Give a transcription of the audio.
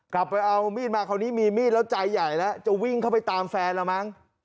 ไปเอามีดมาคราวนี้มีมีดแล้วใจใหญ่แล้วจะวิ่งเข้าไปตามแฟนละมั้ง